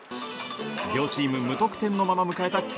両チーム無得点のまま迎えた